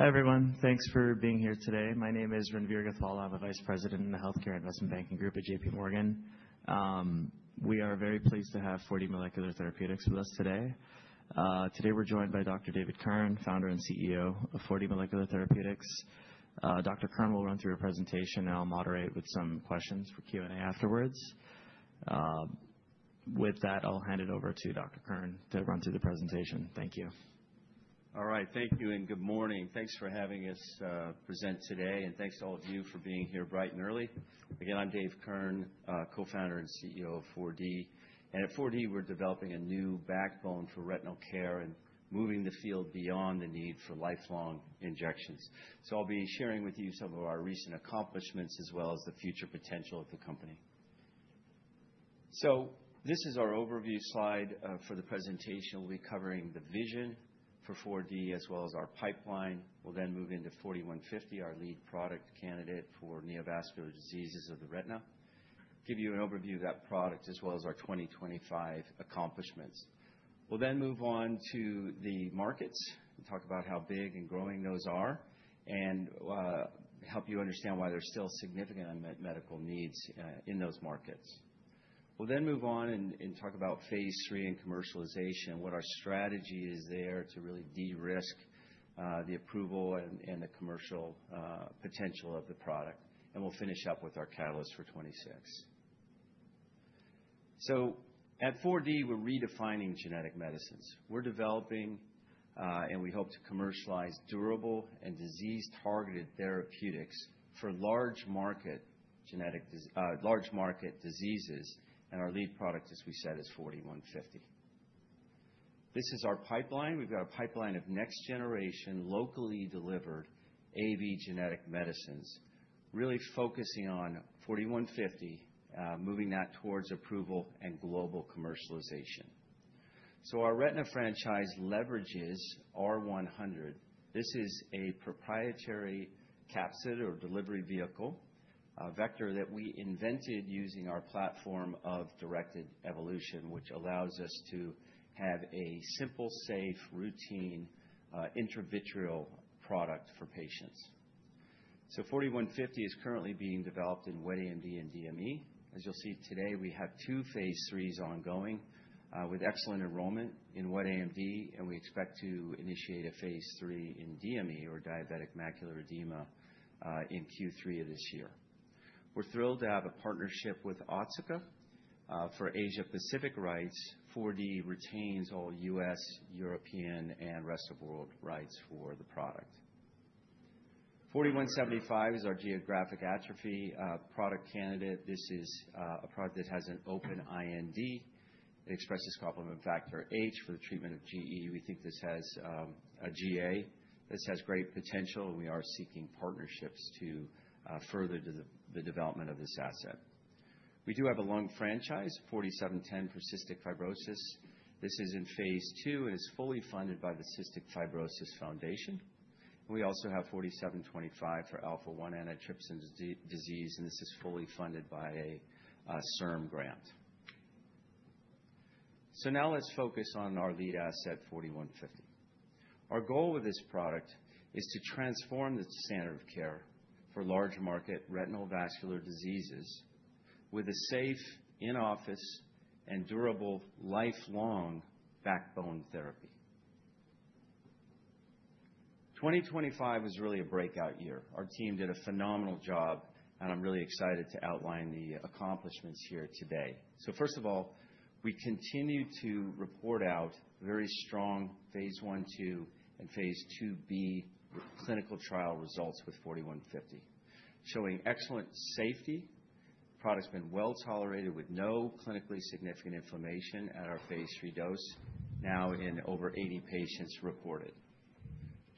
Hi everyone, thanks for being here today. My name is Ranveer Gathwala. I'm a Vice President in the Healthcare Investment Banking Group at J.P. Morgan. We are very pleased to have 4D Molecular Therapeutics with us today. Today we're joined by Dr. David Kirn, Founder and CEO of 4D Molecular Therapeutics. Dr. Kirn will run through a presentation, and I'll moderate with some questions for Q&A afterwards. With that, I'll hand it over to Dr. Kirn to run through the presentation. Thank you. All right, thank you and good morning. Thanks for having us present today, and thanks to all of you for being here bright and early. Again, I'm David Kirn, Co-Founder and CEO of 4D, and at 4D, we're developing a new backbone for retinal care and moving the field beyond the need for lifelong injections. I'll be sharing with you some of our recent accomplishments as well as the future potential of the company. This is our overview slide for the presentation. We'll be covering the vision for 4D as well as our pipeline. We'll then move into 4D-150, our lead product candidate for neovascular diseases of the retina. Give you an overview of that product as well as our 2025 accomplishments. We'll then move on to the markets and talk about how big and growing those are, and help you understand why there's still significant unmet medical needs in those markets. We'll then move on and talk about phase 3 and commercialization, what our strategy is there to really de-risk the approval and the commercial potential of the product. We'll finish up with our catalyst for 2026. At 4D, we're redefining genetic medicines. We're developing, and we hope to commercialize durable and disease-targeted therapeutics for large market diseases. Our lead product, as we said, is 4D-150. This is our pipeline. We've got a pipeline of next-generation, locally delivered AAV genetic medicines, really focusing on 4D-150, moving that towards approval and global commercialization. Our retina franchise leverages R100. This is a proprietary capsid or delivery vehicle vector that we invented using our platform of directed evolution, which allows us to have a simple, safe, routine intravitreal product for patients. So 4D-150 is currently being developed in wet AMD and DME. As you'll see today, we have two phase threes ongoing with excellent enrollment in wet AMD, and we expect to initiate a phase three in DME or diabetic macular edema in Q3 of this year. We're thrilled to have a partnership with Otsuka for Asia-Pacific rights. 4D retains all U.S., European, and rest of the world rights for the product. 4D-175 is our geographic atrophy product candidate. This is a product that has an open IND. It expresses complement factor H for the treatment of GA. We think this has a GA. This has great potential, and we are seeking partnerships to further the development of this asset. We do have a lung franchise, 4D-710 for cystic fibrosis. This is in phase 2 and is fully funded by the Cystic Fibrosis Foundation. We also have 4D-725 for alpha-1 antitrypsin disease, and this is fully funded by a CIRM grant. So now let's focus on our lead asset, 4D-150. Our goal with this product is to transform the standard of care for large market retinal vascular diseases with a safe, in-office, and durable lifelong backbone therapy. 2025 was really a breakout year. Our team did a phenomenal job, and I'm really excited to outline the accomplishments here today. So first of all, we continue to report out very strong phase 1, 2, and phase 2b clinical trial results with 4D-150, showing excellent safety. The product's been well tolerated with no clinically significant inflammation at our phase 3 dose, now in over 80 patients reported.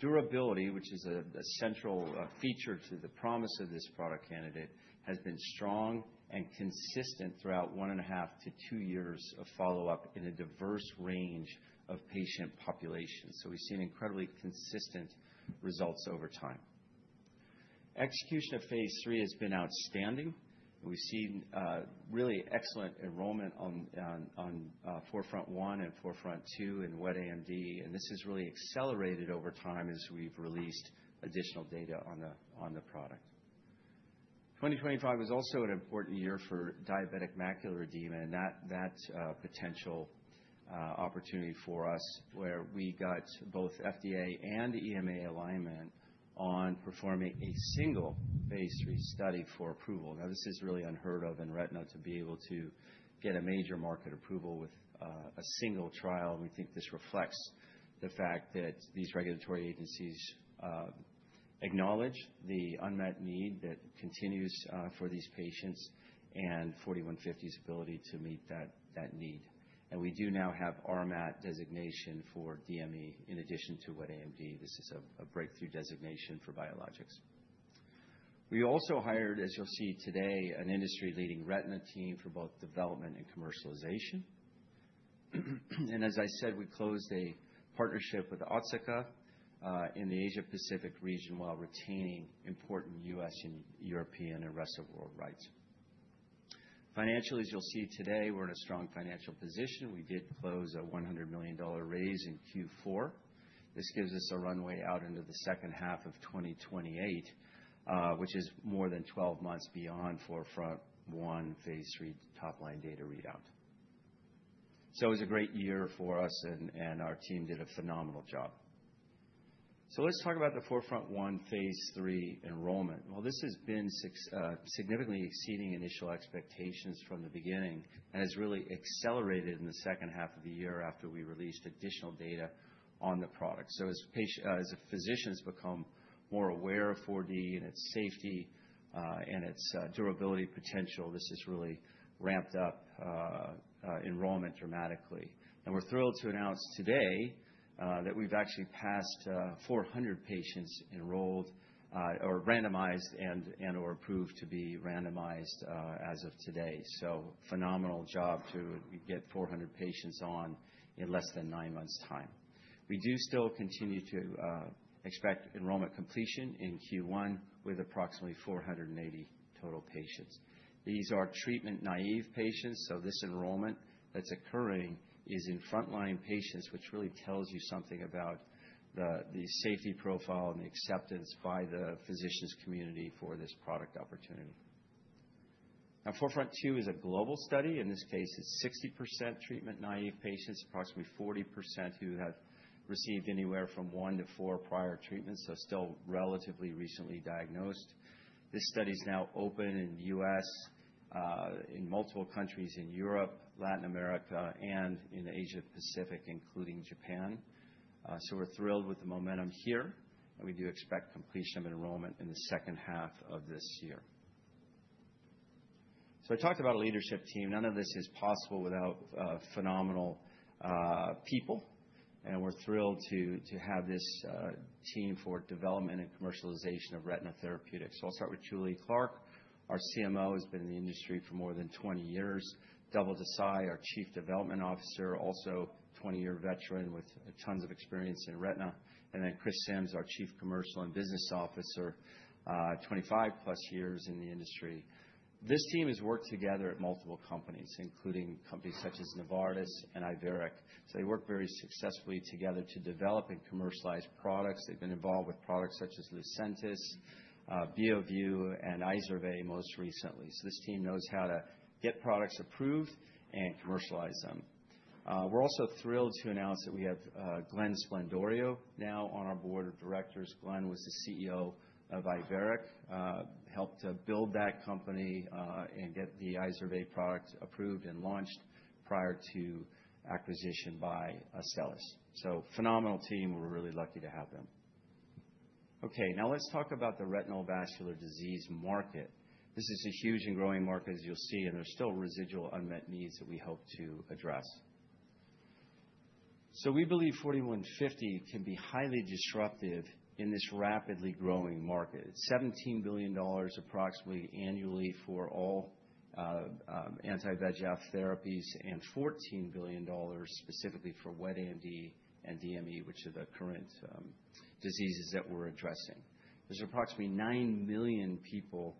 Durability, which is a central feature to the promise of this product candidate, has been strong and consistent throughout one and a half to two years of follow-up in a diverse range of patient populations, so we've seen incredibly consistent results over time. Execution of phase 3 has been outstanding, and we've seen really excellent enrollment on 4FRONT-1 and 4FRONT-2 in wet AMD, and this has really accelerated over time as we've released additional data on the product. 2025 was also an important year for diabetic macular edema and that potential opportunity for us, where we got both FDA and EMA alignment on performing a single phase 3 study for approval. Now, this is really unheard of in retina to be able to get a major market approval with a single trial. We think this reflects the fact that these regulatory agencies acknowledge the unmet need that continues for these patients and 4D-150's ability to meet that need. And we do now have RMAT designation for DME in addition to wet AMD. This is a breakthrough designation for biologics. We also hired, as you'll see today, an industry-leading retina team for both development and commercialization. And as I said, we closed a partnership with Otsuka in the Asia-Pacific region while retaining important U.S. and European and rest of the world rights. Financially, as you'll see today, we're in a strong financial position. We did close a $100 million raise in Q4. This gives us a runway out into the second half of 2028, which is more than 12 months beyond 4FRONT-1 phase three top-line data readout. So it was a great year for us, and our team did a phenomenal job. Let's talk about the 4FRONT-1 phase 3 enrollment. This has been significantly exceeding initial expectations from the beginning and has really accelerated in the second half of the year after we released additional data on the product. As physicians become more aware of 4D and its safety and its durability potential, this has really ramped up enrollment dramatically. We're thrilled to announce today that we've actually passed 400 patients enrolled or randomized and/or approved to be randomized as of today. Phenomenal job to get 400 patients on in less than nine months' time. We do still continue to expect enrollment completion in Q1 with approximately 480 total patients. These are treatment-naive patients. This enrollment that's occurring is in frontline patients, which really tells you something about the safety profile and the acceptance by the physicians' community for this product opportunity. Now, 4FRONT-2 is a global study. In this case, it's 60% treatment-naïve patients, approximately 40% who have received anywhere from one to four prior treatments, so still relatively recently diagnosed. This study is now open in the U.S., in multiple countries in Europe, Latin America, and in Asia-Pacific, including Japan. So we're thrilled with the momentum here, and we do expect completion of enrollment in the second half of this year. So I talked about a leadership team. None of this is possible without phenomenal people, and we're thrilled to have this team for development and commercialization of retina therapeutics. So I'll start with Julie Clark. Our CMO has been in the industry for more than 20 years. Dhaval Desai, our Chief Development Officer, also a 20-year veteran with tons of experience in retina. And then Chris Sims, our Chief Commercial and Business Officer, 25-plus years in the industry. This team has worked together at multiple companies, including companies such as Novartis and Iveric. So they work very successfully together to develop and commercialize products. They've been involved with products such as Lucentis, Beovu, and Izervay most recently. So this team knows how to get products approved and commercialize them. We're also thrilled to announce that we have Glenn Sblendorio now on our board of directors. Glenn was the CEO of Iveric, helped to build that company and get the Izervay product approved and launched prior to acquisition by Astellas. So phenomenal team. We're really lucky to have them. Okay, now let's talk about the retinal vascular disease market. This is a huge and growing market, as you'll see, and there's still residual unmet needs that we hope to address. So we believe 4D-150 can be highly disruptive in this rapidly growing market. It's $17 billion approximately annually for all anti-VEGF therapies and $14 billion specifically for wet AMD and DME, which are the current diseases that we're addressing. There's approximately nine million people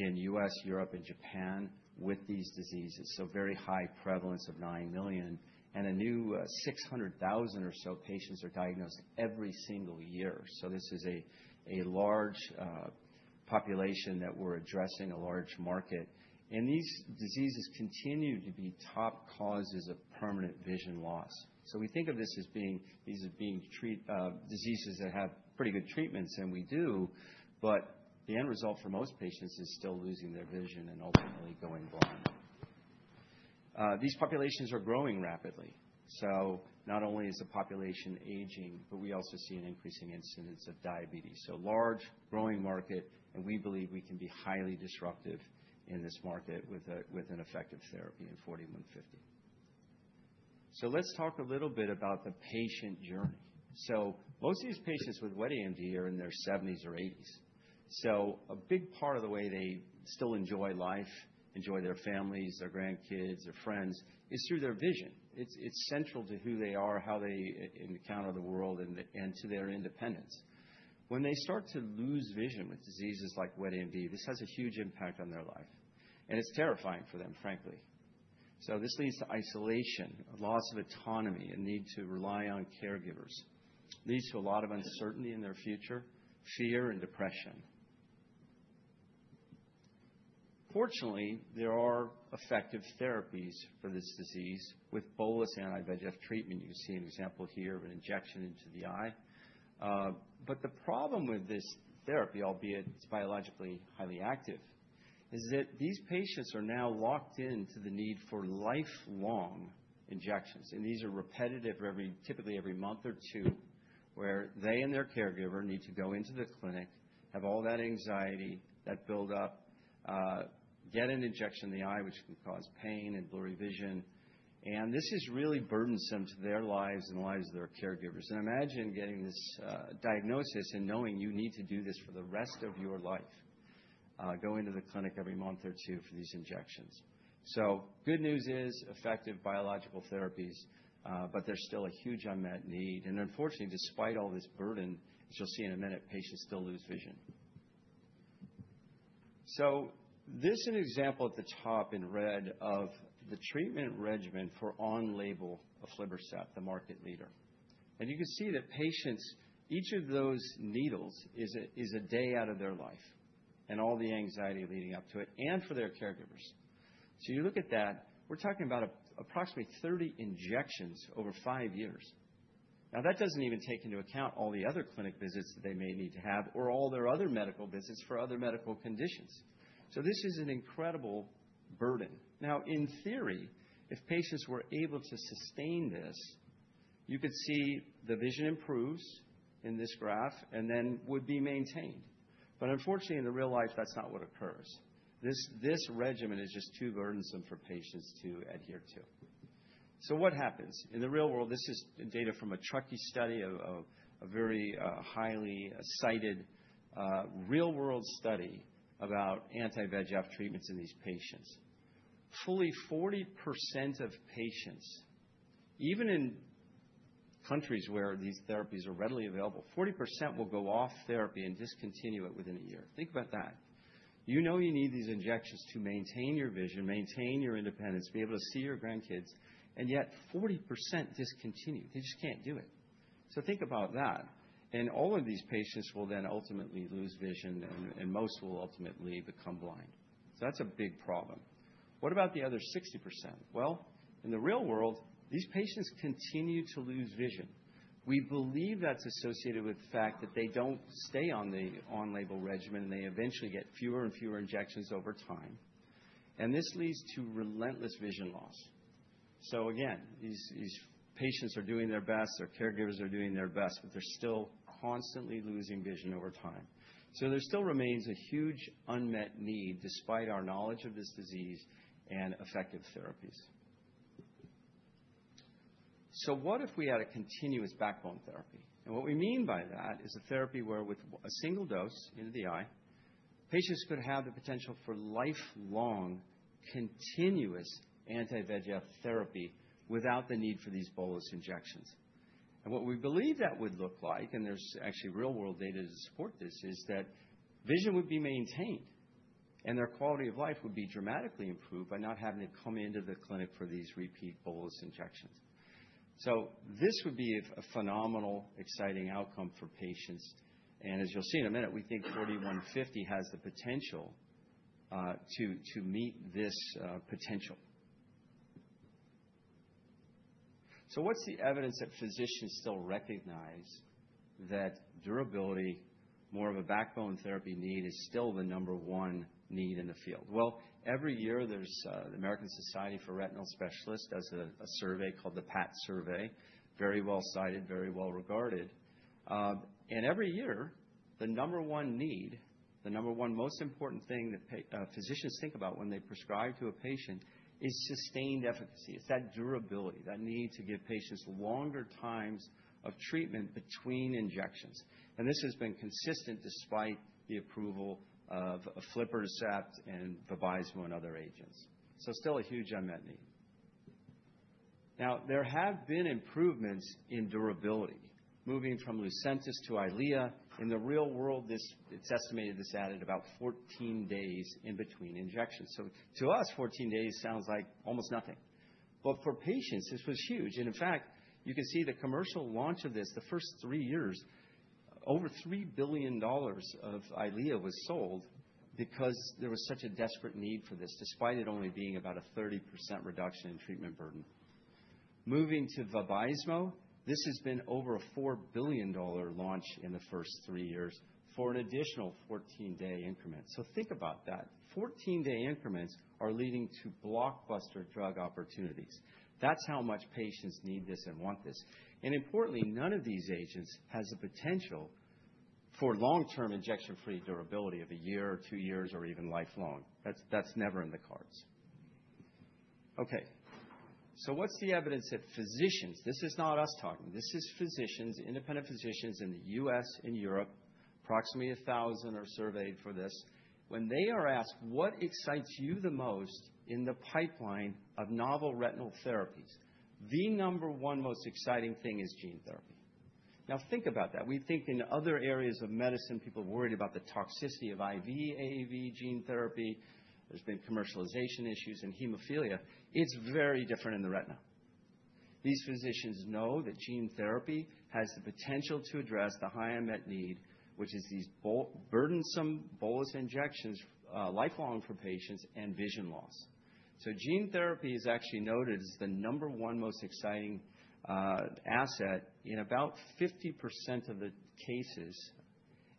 in the U.S., Europe, and Japan with these diseases, so very high prevalence of nine million. And a new 600,000 or so patients are diagnosed every single year. So this is a large population that we're addressing, a large market. And these diseases continue to be top causes of permanent vision loss. So we think of this as being these are being treated diseases that have pretty good treatments, and we do, but the end result for most patients is still losing their vision and ultimately going blind. These populations are growing rapidly. Not only is the population aging, but we also see an increasing incidence of diabetes. This is a large, growing market, and we believe we can be highly disruptive in this market with an effective therapy in 4D-150. Let's talk a little bit about the patient journey. Most of these patients with wet AMD are in their 70s or 80s. A big part of the way they still enjoy life, enjoy their families, their grandkids, their friends, is through their vision. It's central to who they are, how they encounter the world, and to their independence. When they start to lose vision with diseases like wet AMD, this has a huge impact on their life. It's terrifying for them, frankly. This leads to isolation, loss of autonomy, and need to rely on caregivers. It leads to a lot of uncertainty in their future, fear, and depression. Fortunately, there are effective therapies for this disease with bolus anti-VEGF treatment. You see an example here of an injection into the eye, but the problem with this therapy, albeit it's biologically highly active, is that these patients are now locked into the need for lifelong injections, and these are repetitive, typically every month or two, where they and their caregiver need to go into the clinic, have all that anxiety, that buildup, get an injection in the eye, which can cause pain and blurry vision. And this is really burdensome to their lives and the lives of their caregivers, and imagine getting this diagnosis and knowing you need to do this for the rest of your life, going to the clinic every month or two for these injections, so good news is effective biological therapies, but there's still a huge unmet need. Unfortunately, despite all this burden, as you'll see in a minute, patients still lose vision. This is an example at the top in red of the treatment regimen for on-label aflibercept, the market leader. You can see that patients, each of those needles is a day out of their life and all the anxiety leading up to it and for their caregivers. You look at that, we're talking about approximately 30 injections over five years. Now, that doesn't even take into account all the other clinic visits that they may need to have or all their other medical visits for other medical conditions. This is an incredible burden. Now, in theory, if patients were able to sustain this, you could see the vision improves in this graph and then would be maintained. Unfortunately, in real life, that's not what occurs. This regimen is just too burdensome for patients to adhere to. So what happens? In the real world, this is data from the TRUST study, a very highly cited real-world study about Anti-VEGF treatments in these patients. Fully 40% of patients, even in countries where these therapies are readily available, 40% will go off therapy and discontinue it within a year. Think about that. You know you need these injections to maintain your vision, maintain your independence, be able to see your grandkids, and yet 40% discontinue. They just can't do it. So think about that. And all of these patients will then ultimately lose vision, and most will ultimately become blind. So that's a big problem. What about the other 60%? Well, in the real world, these patients continue to lose vision. We believe that's associated with the fact that they don't stay on the on-label regimen, and they eventually get fewer and fewer injections over time. And this leads to relentless vision loss. So again, these patients are doing their best. Their caregivers are doing their best, but they're still constantly losing vision over time. So there still remains a huge unmet need despite our knowledge of this disease and effective therapies. So what if we had a continuous backbone therapy? And what we mean by that is a therapy where with a single dose into the eye, patients could have the potential for lifelong continuous anti-VEGF therapy without the need for these bolus injections. What we believe that would look like, and there's actually real-world data to support this, is that vision would be maintained and their quality of life would be dramatically improved by not having to come into the clinic for these repeat bolus injections. So this would be a phenomenal, exciting outcome for patients. And as you'll see in a minute, we think 4D-150 has the potential to meet this potential. So what's the evidence that physicians still recognize that durability, more of a backbone therapy need, is still the number one need in the field? Well, every year, the American Society of Retina Specialists does a survey called the PAT Survey, very well-cited, very well-regarded. And every year, the number one need, the number one most important thing that physicians think about when they prescribe to a patient is sustained efficacy. It's that durability, that need to give patients longer times of treatment between injections, and this has been consistent despite the approval of aflibercept and Vabysmo and other agents. So still a huge unmet need. Now, there have been improvements in durability. Moving from Lucentis to Eylea, in the real world, it's estimated this added about 14 days in between injections. So to us, 14 days sounds like almost nothing, but for patients, this was huge, and in fact, you can see the commercial launch of this, the first three years, over $3 billion of Eylea was sold because there was such a desperate need for this, despite it only being about a 30% reduction in treatment burden. Moving to Vabysmo, this has been over a $4 billion launch in the first three years for an additional 14-day increment, so think about that. 14-day increments are leading to blockbuster drug opportunities. That's how much patients need this and want this. And importantly, none of these agents has the potential for long-term injection-free durability of a year or two years or even lifelong. That's never in the cards. Okay. So what's the evidence that physicians. This is not us talking. This is physicians, independent physicians in the U.S. and Europe, approximately 1,000 are surveyed for this. When they are asked, "What excites you the most in the pipeline of novel retinal therapies?" The number one most exciting thing is gene therapy. Now, think about that. We think in other areas of medicine, people are worried about the toxicity of IV, AAV gene therapy. There's been commercialization issues and hemophilia. It's very different in the retina. These physicians know that gene therapy has the potential to address the high unmet need, which is these burdensome bolus injections lifelong for patients and vision loss. Gene therapy is actually noted as the number one most exciting asset in about 50% of the cases.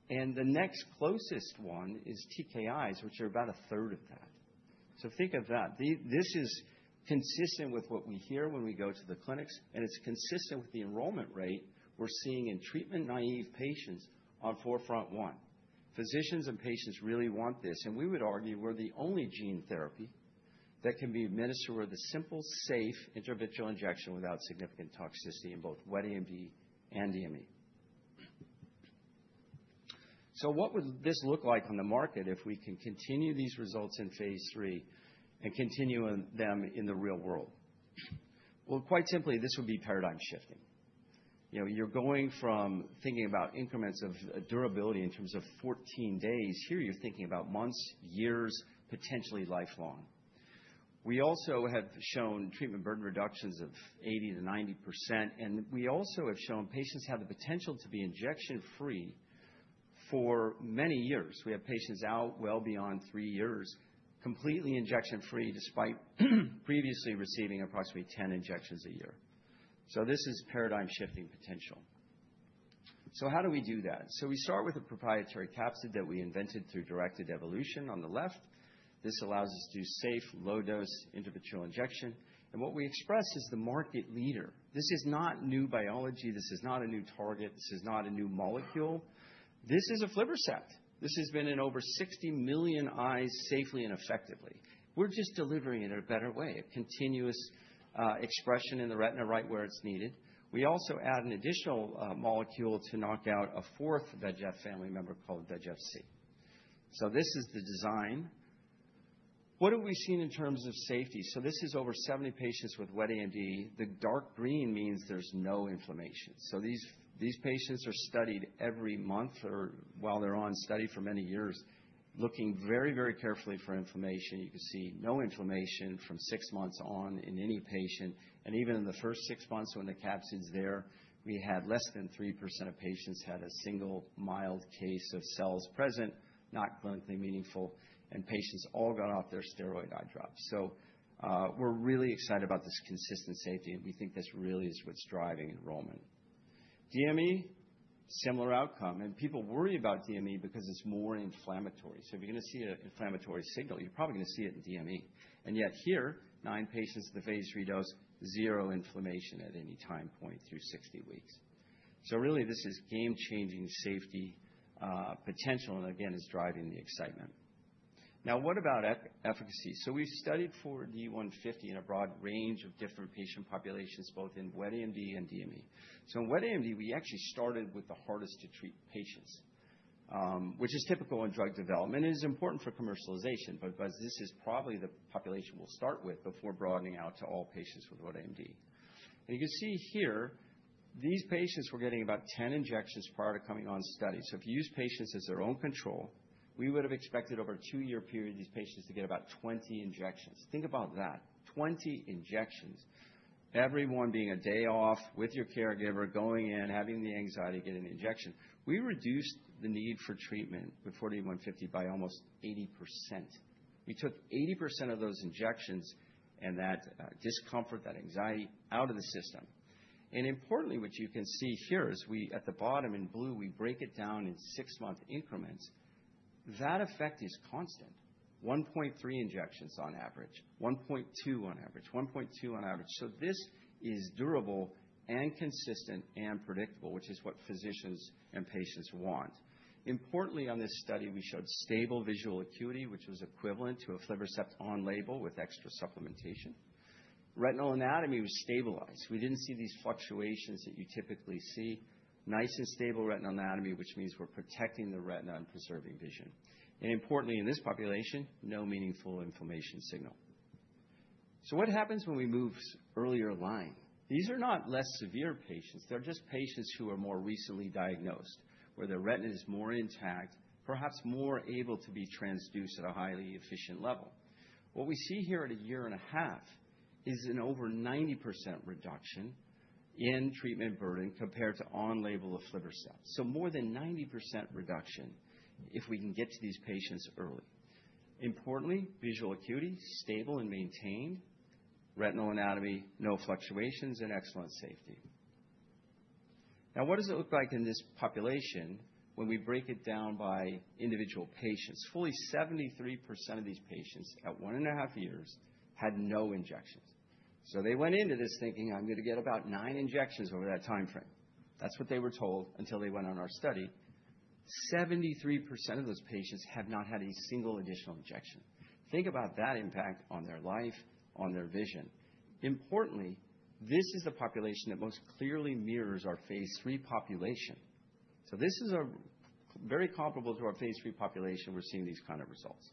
The next closest one is TKIs, which are about a third of that. Think of that. This is consistent with what we hear when we go to the clinics, and it's consistent with the enrollment rate we're seeing in treatment-naive patients on 4FRONT-1. Physicians and patients really want this. We would argue we're the only gene therapy that can be administered with a simple, safe intravitreal injection without significant toxicity in both wet AMD and DME. So what would this look like on the market if we can continue these results in phase three and continue them in the real world? Well, quite simply, this would be paradigm shifting. You're going from thinking about increments of durability in terms of 14 days. Here, you're thinking about months, years, potentially lifelong. We also have shown treatment burden reductions of 80%-90%. And we also have shown patients have the potential to be injection-free for many years. We have patients out well beyond three years completely injection-free despite previously receiving approximately 10 injections a year. So this is paradigm shifting potential. So how do we do that? So we start with a proprietary capsid that we invented through directed evolution on the left. This allows us to do safe, low-dose intravitreal injection. And what we express is the market leader. This is not new biology. This is not a new target. This is not a new molecule. This is aflibercept. This has been in over 60 million eyes safely and effectively. We're just delivering it in a better way, a continuous expression in the retina right where it's needed. We also add an additional molecule to knock out a fourth VEGF family member called VEGF-C. So this is the design. What have we seen in terms of safety? So this is over 70 patients with wet AMD. The dark green means there's no inflammation. So these patients are studied every month or while they're on study for many years, looking very, very carefully for inflammation. You can see no inflammation from six months on in any patient. And even in the first six months when the capsid's there, we had less than 3% of patients had a single mild case of cells present, not clinically meaningful, and patients all got off their steroid eye drops. So we're really excited about this consistent safety, and we think this really is what's driving enrollment. DME, similar outcome. And people worry about DME because it's more inflammatory. So if you're going to see an inflammatory signal, you're probably going to see it in DME. And yet here, nine patients at the phase three dose, zero inflammation at any time point through 60 weeks. So really, this is game-changing safety potential and again, is driving the excitement. Now, what about efficacy? So we've studied 4D-150 in a broad range of different patient populations, both in wet AMD and DME. In wet AMD, we actually started with the hardest-to-treat patients, which is typical in drug development. It is important for commercialization, but this is probably the population we'll start with before broadening out to all patients with wet AMD. And you can see here, these patients were getting about 10 injections prior to coming on study. So if you use patients as their own control, we would have expected over a two-year period, these patients to get about 20 injections. Think about that. 20 injections. Everyone being a day off with your caregiver, going in, having the anxiety, getting the injection. We reduced the need for treatment with 4D-150 by almost 80%. We took 80% of those injections and that discomfort, that anxiety out of the system. And importantly, what you can see here is at the bottom in blue, we break it down in six-month increments. That effect is constant. 1.3 injections on average. 1.2 on average. 1.2 on average. So this is durable and consistent and predictable, which is what physicians and patients want. Importantly, on this study, we showed stable visual acuity, which was equivalent to aflibercept on label with extra supplementation. Retinal anatomy was stabilized. We didn't see these fluctuations that you typically see. Nice and stable retinal anatomy, which means we're protecting the retina and preserving vision. And importantly, in this population, no meaningful inflammation signal. So what happens when we move earlier line? These are not less severe patients. They're just patients who are more recently diagnosed, where their retina is more intact, perhaps more able to be transduced at a highly efficient level. What we see here at a year and a half is an over 90% reduction in treatment burden compared to on-label aflibercept. So more than 90% reduction if we can get to these patients early. Importantly, visual acuity, stable and maintained. Retinal anatomy, no fluctuations and excellent safety. Now, what does it look like in this population when we break it down by individual patients? Fully 73% of these patients at one and a half years had no injections. So they went into this thinking, "I'm going to get about nine injections over that time frame." That's what they were told until they went on our study. 73% of those patients have not had a single additional injection. Think about that impact on their life, on their vision. Importantly, this is the population that most clearly mirrors our phase three population. So this is very comparable to our phase three population. We're seeing these kind of results.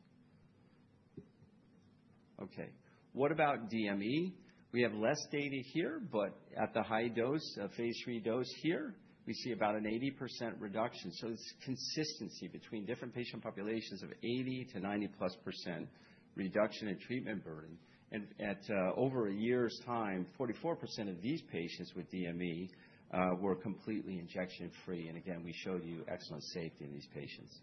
Okay. What about DME? We have less data here, but at the high dose, a phase three dose here, we see about an 80% reduction. So it's consistency between different patient populations of 80%-90-plus% reduction in treatment burden. And at over a year's time, 44% of these patients with DME were completely injection-free. And again, we showed you excellent safety in these patients.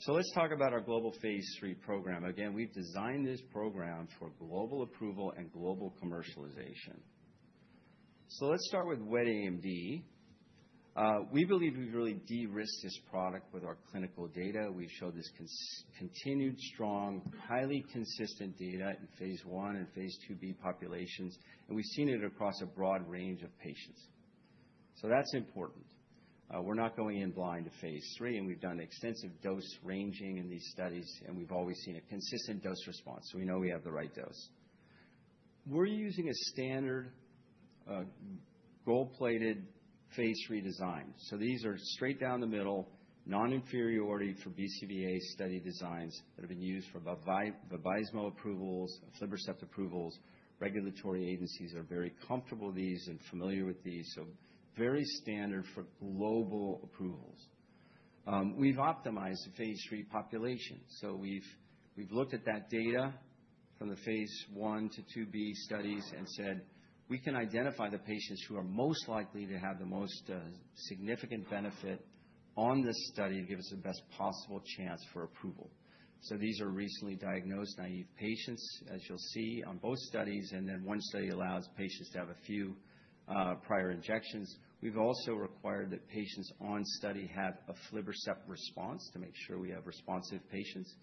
So let's talk about our global phase three program. Again, we've designed this program for global approval and global commercialization. So let's start with wet AMD. We believe we've really de-risked this product with our clinical data. We've showed this continued strong, highly consistent data in phase one and phase two B populations. And we've seen it across a broad range of patients. So that's important. We're not going in blind to phase three. And we've done extensive dose ranging in these studies, and we've always seen a consistent dose response. So we know we have the right dose. We're using a standard gold-plated phase 3 design. So these are straight down the middle, non-inferiority for BCVA study designs that have been used for Vabysmo approvals, aflibercept approvals. Regulatory agencies are very comfortable with these and familiar with these. So very standard for global approvals. We've optimized the phase 3 population. So we've looked at that data from the phase one to two B studies and said, "We can identify the patients who are most likely to have the most significant benefit on this study to give us the best possible chance for approval." So these are recently diagnosed naive patients, as you'll see on both studies. And then one study allows patients to have a few prior injections. We've also required that patients on study have aflibercept response to make sure we have responsive patients.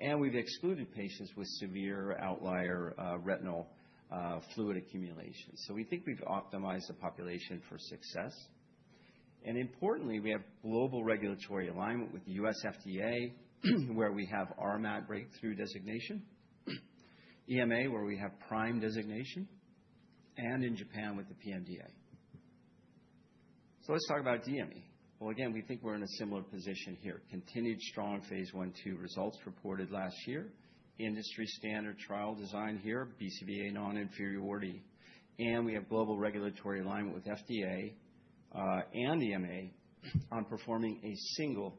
And we've excluded patients with severe outlier retinal fluid accumulation. So we think we've optimized the population for success. And importantly, we have global regulatory alignment with the U.S. FDA, where we have RMAT breakthrough designation, EMA, where we have PRIME designation, and in Japan with the PMDA. So let's talk about DME. Well, again, we think we're in a similar position here. Continued strong phase 1/2 results reported last year. Industry standard trial design here, BCVA non-inferiority. And we have global regulatory alignment with FDA and EMA on performing a single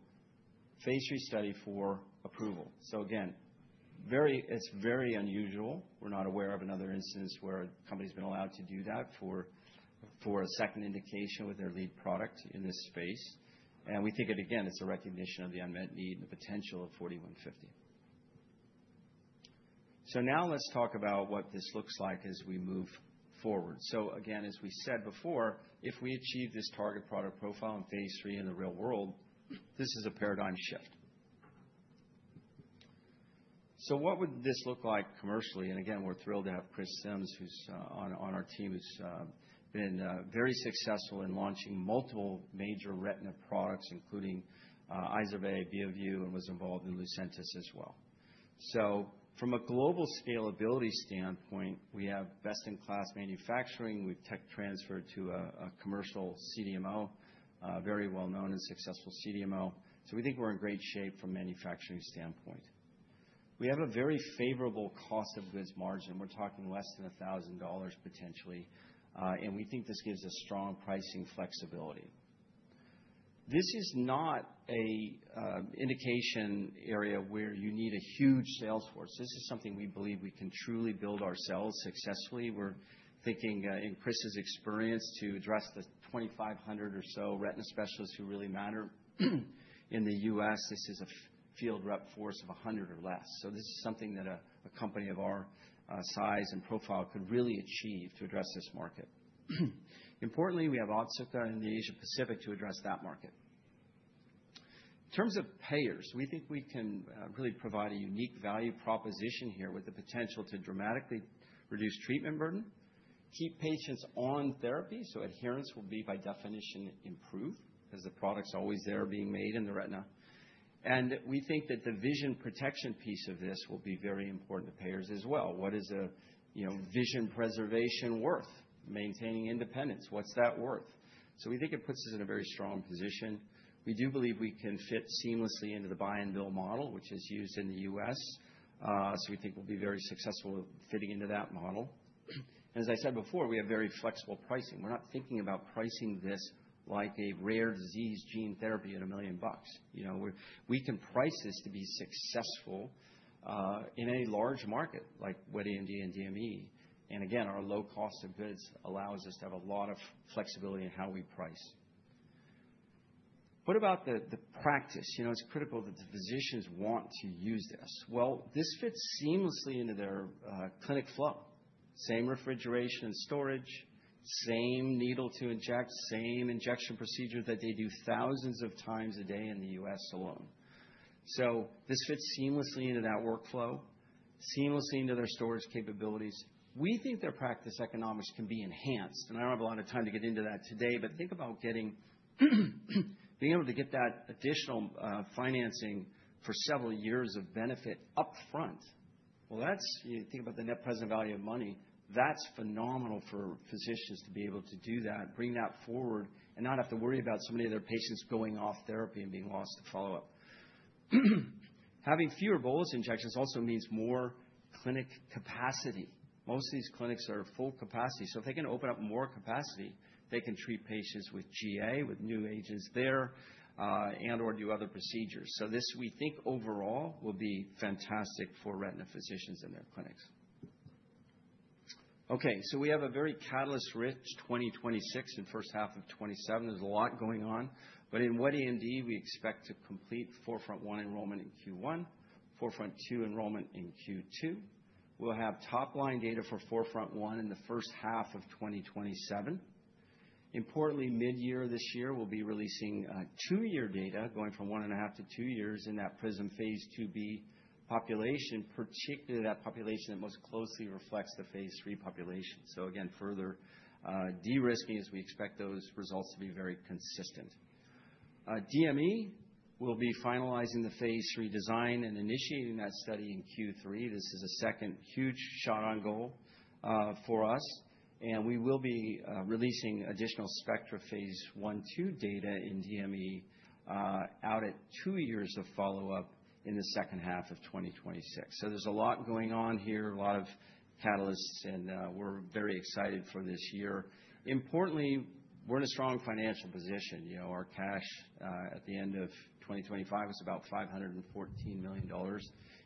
phase 3 study for approval. So again, it's very unusual. We're not aware of another instance where a company's been allowed to do that for a second indication with their lead product in this space. We think, again, it's a recognition of the unmet need and the potential of 4D-150. Now let's talk about what this looks like as we move forward. Again, as we said before, if we achieve this target product profile in phase three in the real world, this is a paradigm shift. What would this look like commercially? Again, we're thrilled to have Chris Sims, who's on our team, who's been very successful in launching multiple major retina products, including Izervay, Eylea, and was involved in Lucentis as well. From a global scalability standpoint, we have best-in-class manufacturing. We've tech transferred to a commercial CDMO, very well-known and successful CDMO. We think we're in great shape from a manufacturing standpoint. We have a very favorable cost of goods margin. We're talking less than $1,000 potentially. We think this gives us strong pricing flexibility. This is not an indication area where you need a huge sales force. This is something we believe we can truly build ourselves successfully. We're thinking, in Chris's experience, to address the 2,500 or so retina specialists who really matter in the U.S. This is a field rep force of 100 or less. This is something that a company of our size and profile could really achieve to address this market. Importantly, we have Otsuka in the Asia-Pacific to address that market. In terms of payers, we think we can really provide a unique value proposition here with the potential to dramatically reduce treatment burden, keep patients on therapy. Adherence will be by definition improved because the product's always there being made in the retina. And we think that the vision protection piece of this will be very important to payers as well. What is a vision preservation worth? Maintaining independence, what's that worth? So we think it puts us in a very strong position. We do believe we can fit seamlessly into the buy-and-bill model, which is used in the U.S. So we think we'll be very successful fitting into that model. And as I said before, we have very flexible pricing. We're not thinking about pricing this like a rare disease gene therapy at $1 million. We can price this to be successful in a large market like wet AMD and DME. And again, our low cost of goods allows us to have a lot of flexibility in how we price. What about the practice? It's critical that the physicians want to use this. Well, this fits seamlessly into their clinic flow. Same refrigeration and storage, same needle to inject, same injection procedure that they do thousands of times a day in the U.S. alone. So this fits seamlessly into that workflow, seamlessly into their storage capabilities. We think their practice economics can be enhanced. And I don't have a lot of time to get into that today, but think about being able to get that additional financing for several years of benefit upfront. Well, think about the net present value of money. That's phenomenal for physicians to be able to do that, bring that forward, and not have to worry about so many of their patients going off therapy and being lost to follow-up. Having fewer bolus injections also means more clinic capacity. Most of these clinics are at full capacity. So if they can open up more capacity, they can treat patients with GA, with new agents there, and/or do other procedures. So this, we think overall, will be fantastic for retina physicians in their clinics. Okay. So we have a very catalyst-rich 2026 and first half of 2027. There's a lot going on. But in wet AMD, we expect to complete 4FRONT-1 enrollment in Q1, 4FRONT-2 enrollment in Q2. We'll have top-line data for 4FRONT-1 in the first half of 2027. Importantly, mid-year this year, we'll be releasing two-year data going from one and a half to two years in that PRISM phase 2b population, particularly that population that most closely reflects the phase 3 population. So again, further de-risking as we expect those results to be very consistent. DME will be finalizing the phase 3 design and initiating that study in Q3. This is a second huge shot on goal for us. And we will be releasing additional SPECTRA phase I or II data in DME out at two years of follow-up in the second half of 2026. So there's a lot going on here, a lot of catalysts, and we're very excited for this year. Importantly, we're in a strong financial position. Our cash at the end of 2025 is about $514 million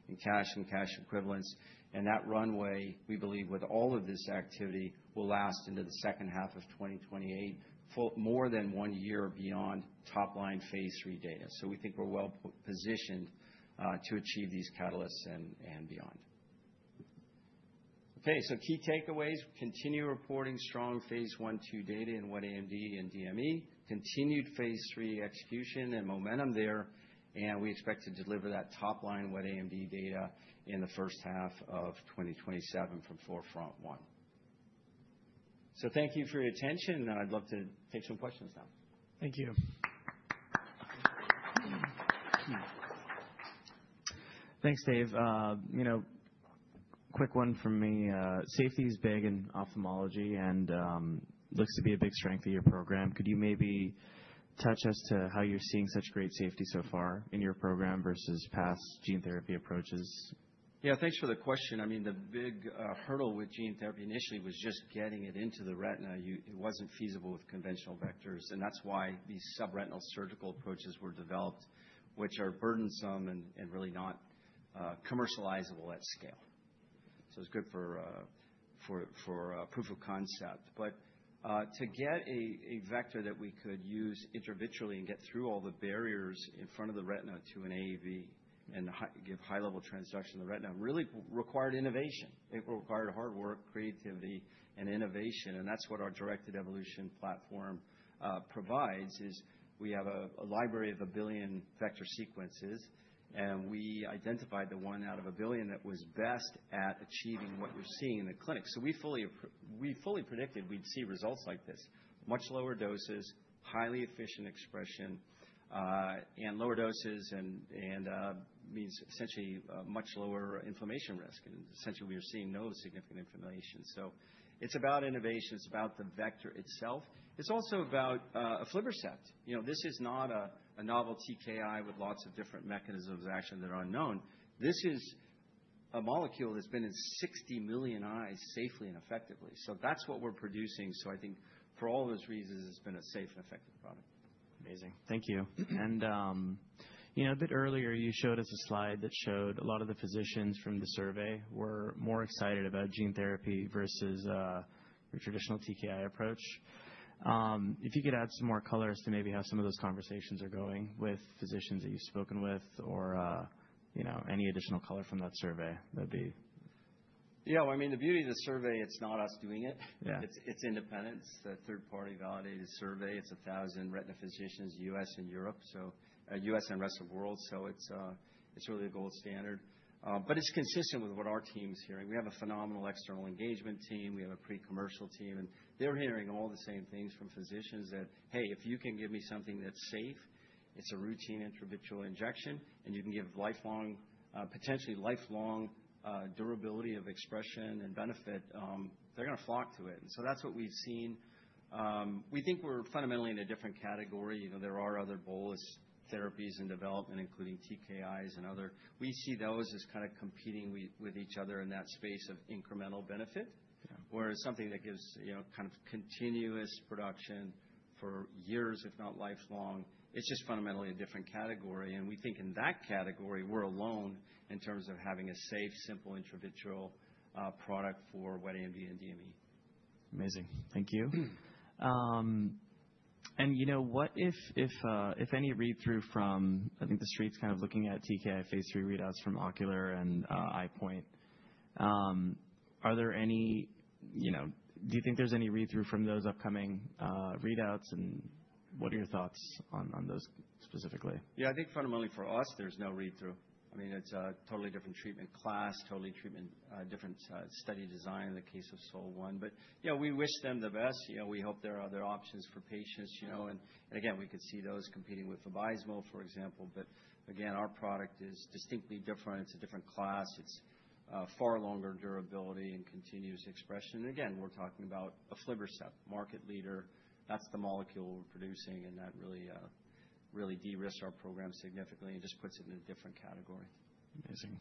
in cash and cash equivalents. And that runway, we believe with all of this activity, will last into the second half of 2028, more than one year beyond top-line phase three data. So we think we're well positioned to achieve these catalysts and beyond. Okay. So key takeaways, continue reporting strong phase one two data in wet AMD and DME, continued phase three execution and momentum there. We expect to deliver that top-line wet AMD data in the first half of 2027 from 4FRONT-1. Thank you for your attention. I'd love to take some questions now. Thank you. Thanks, Dave. Quick one from me. Safety is big in ophthalmology and looks to be a big strength of your program. Could you maybe touch on how you're seeing such great safety so far in your program versus past gene therapy approaches? Yeah. Thanks for the question. I mean, the big hurdle with gene therapy initially was just getting it into the retina. It wasn't feasible with conventional vectors. And that's why these subretinal surgical approaches were developed, which are burdensome and really not commercializable at scale. So it's good for proof of concept. But to get a vector that we could use intravitreally and get through all the barriers in front of the retina to an AAV and give high-level transduction to the retina really required innovation. It required hard work, creativity, and innovation. And that's what our Directed Evolution platform provides, is we have a library of a billion vector sequences. And we identified the one out of a billion that was best at achieving what we're seeing in the clinic. So we fully predicted we'd see results like this. Much lower doses, highly efficient expression, and lower doses means essentially much lower inflammation risk. And essentially, we are seeing no significant inflammation. So it's about innovation. It's about the vector itself. It's also about Aflibercept. This is not a novel TKI with lots of different mechanisms of action that are unknown. This is a molecule that's been in 60 million eyes safely and effectively. So that's what we're producing. So I think for all those reasons, it's been a safe and effective product. Amazing. Thank you, and a bit earlier, you showed us a slide that showed a lot of the physicians from the survey were more excited about gene therapy versus your traditional TKI approach. If you could add some more colors to maybe how some of those conversations are going with physicians that you've spoken with or any additional color from that survey, that'd be. Yeah. Well, I mean, the beauty of the survey, it's not us doing it. It's independence. It's a third-party validated survey. It's 1,000 retina physicians in the U.S. and the rest of the world. So it's really a gold standard. But it's consistent with what our team is hearing. We have a phenomenal external engagement team. We have a pre-commercial team. And they're hearing all the same things from physicians that, "Hey, if you can give me something that's safe, it's a routine intravitreal injection, and you can give lifelong, potentially lifelong durability of expression and benefit," they're going to flock to it. And so that's what we've seen. We think we're fundamentally in a different category. There are other bolus therapies in development, including TKIs and other. We see those as kind of competing with each other in that space of incremental benefit, whereas something that gives kind of continuous production for years, if not lifelong, it's just fundamentally a different category, and we think in that category, we're alone in terms of having a safe, simple intravitreal product for wet AMD and DME. Amazing. Thank you. What, if any, read-through from, I think the street's kind of looking at TKI phase 3 readouts from Ocular and EyePoint, are there any? Do you think there's any read-through from those upcoming readouts? What are your thoughts on those specifically? Yeah. I think fundamentally for us, there's no read-through. I mean, it's a totally different treatment class, totally different study design in the case of SOL-1. But we wish them the best. We hope there are other options for patients. And again, we could see those competing with Vabysmo, for example. But again, our product is distinctly different. It's a different class. It's far longer durability and continuous expression. And again, we're talking about aflibercept, market leader. That's the molecule we're producing. And that really de-risks our program significantly and just puts it in a different category. Amazing.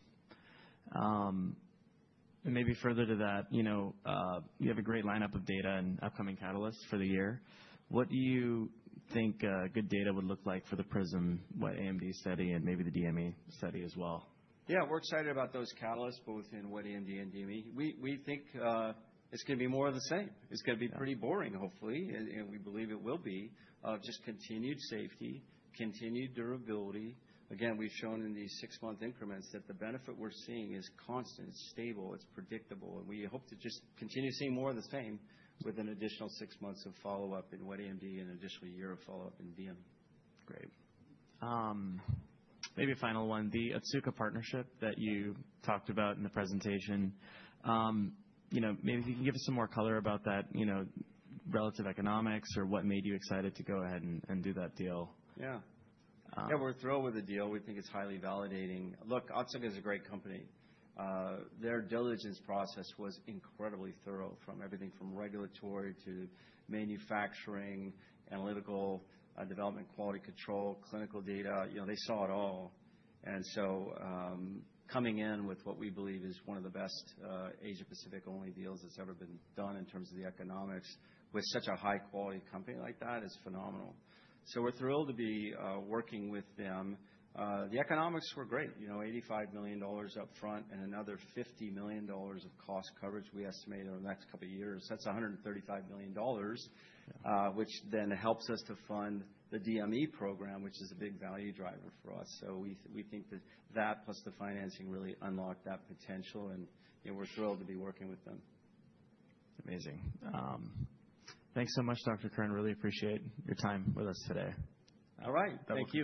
And maybe further to that, you have a great lineup of data and upcoming catalysts for the year. What do you think good data would look like for the PRISM wet AMD study and maybe the DME study as well? Yeah. We're excited about those catalysts, both in wet AMD and DME. We think it's going to be more of the same. It's going to be pretty boring, hopefully, and we believe it will be, of just continued safety, continued durability. Again, we've shown in these six-month increments that the benefit we're seeing is constant, stable. It's predictable. And we hope to just continue seeing more of the same with an additional six months of follow-up in wet AMD and an additional year of follow-up in DME. Great. Maybe a final one, the Otsuka partnership that you talked about in the presentation. Maybe if you can give us some more color about that relative economics or what made you excited to go ahead and do that deal? Yeah. Yeah. We're thrilled with the deal. We think it's highly validating. Look, Otsuka is a great company. Their diligence process was incredibly thorough from everything from regulatory to manufacturing, analytical development, quality control, clinical data. They saw it all, and so coming in with what we believe is one of the best Asia-Pacific-only deals that's ever been done in terms of the economics with such a high-quality company like that is phenomenal, so we're thrilled to be working with them. The economics were great. $85 million upfront and another $50 million of cost coverage we estimate over the next couple of years. That's $135 million, which then helps us to fund the DME program, which is a big value driver for us, so we think that that plus the financing really unlocked that potential, and we're thrilled to be working with them. Amazing. Thanks so much, Dr. Kirn. Really appreciate your time with us today. All right. Have a great.